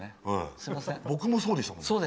僕もそうでしたもん。